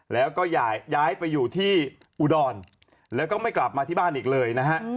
แล้วก็ย้ายไปอยู่ที่อุดรแล้วก็ไม่กลับมาที่บ้านอีกเลยนะฮะ